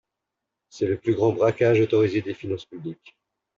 C’est le plus grand braquage autorisé des finances publiques.